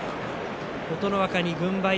琴ノ若に軍配。